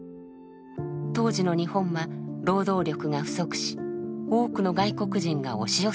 当時の日本は労働力が不足し多くの外国人が押し寄せていました。